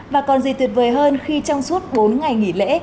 và còn gì tuyệt vời hơn khi trong suốt bốn ngày nghỉ lễ